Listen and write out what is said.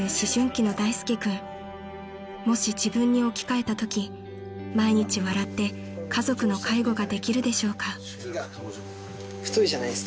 ［もし自分に置き換えたとき毎日笑って家族の介護ができるでしょうか］